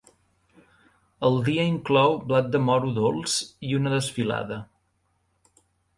El dia inclou blat de moro dolç i una desfilada.